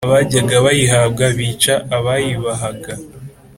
Abajyaga bayihabwa Bica abayibahaga